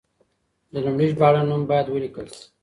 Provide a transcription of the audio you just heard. د لومړي ژباړن نوم باید ولیکل شي.